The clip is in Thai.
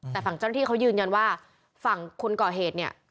แต่ฝั่งเจ้าหน้าที่เขายืนยันว่าฝั่งคนก่อเหตุเนี่ย